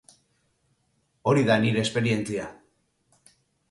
Hori da nire esperientzia.